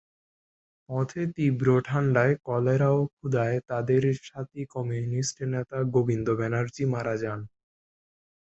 পথে তীব্র ঠান্ডায়, কলেরা ও ক্ষুধায় তাদের সাথী কমিউনিস্ট নেতা গোবিন্দ ব্যানার্জী মারা যান।